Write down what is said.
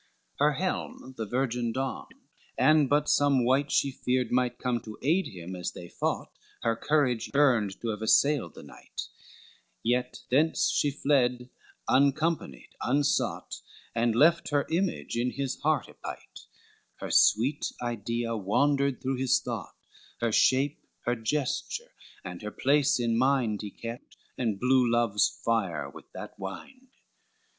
XLVIII Her helm the virgin donned, and but some wight She feared might come to aid him as they fought, Her courage earned to have assailed the knight; Yet thence she fled, uncompanied, unsought, And left her image in his heart ypight; Her sweet idea wandered through his thought, Her shape, her gesture, and her place in mind He kept, and blew love's fire with that wind.